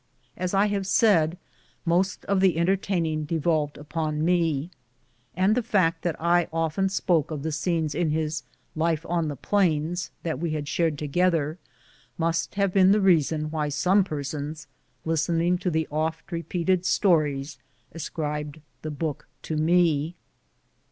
As I have said, most of the entertaining devolved upon me, and the fact that I often spoke of the scenes in his "Life on the Plains" that we had shared together, must have been the reason why some persons listening to the oft repeated stories ascribed the book to me.